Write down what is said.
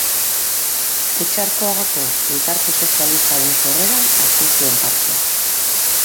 Otxarkoagako Elkarte Sozialistaren sorreran hartu zuen parte.